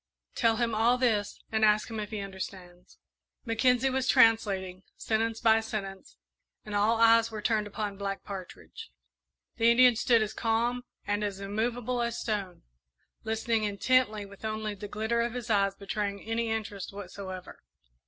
Tell him all this and ask him if he understands." Mackenzie was translating, sentence by sentence, and all eyes were turned upon Black Partridge. The Indian stood as calm and as immovable as stone, listening intently, with only the glitter of his eyes betraying any interest whatsoever.